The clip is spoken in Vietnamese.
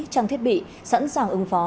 trang thiết bị sẵn sàng ứng phó